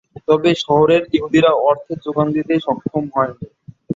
তবে শহরের ইহুদিরা অর্থের যোগান দিতে সক্ষম হয়নি।